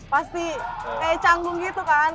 pasti kayak canggung gitu kan